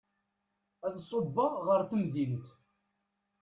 Ad ṣubbeɣ ɣer temdint.